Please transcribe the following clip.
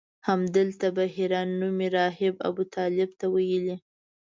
همدلته بحیره نومي راهب ابوطالب ته ویلي.